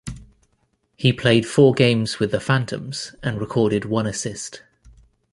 He played four games with the Phantoms and recorded one assist.